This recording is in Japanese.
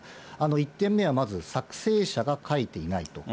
１点目はまず作成者が書いていないと。